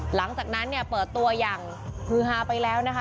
หลังจากนั้นเนี่ยเปิดตัวอย่างฮือฮาไปแล้วนะคะ